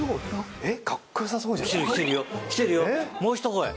えっ！